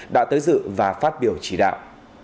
đã tới dự và phát biểu chỉ đạo